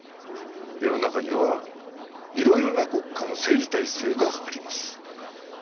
世の中にはいろいろな国家の政治体制があります。